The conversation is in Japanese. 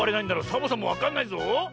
サボさんもわかんないぞ。